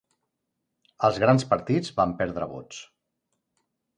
Els grans partits van perdre vots.